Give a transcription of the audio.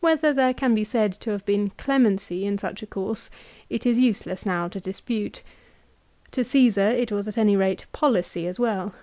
Whether there can be said to have been clemency in such' a course it is useless now to dispute. To Ceesar it was at any rate policy as well.